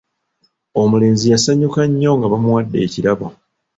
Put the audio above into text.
Omulenzi yasanyuka nnyo nga bamuwadde ekirabo.